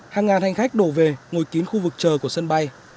hàng ngàn hành khách đổ về ngồi kín khu vực chờ của sân bay